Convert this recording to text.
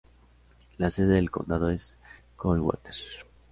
La sede del condado es Coldwater.